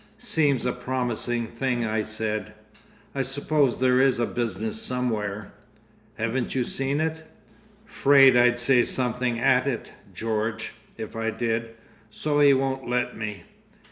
"Seems a promising thing," I said. "I suppose there is a business somewhere?" "Haven't you seen it?" "'Fraid I'd say something AT it George, if I did. So he won't let me.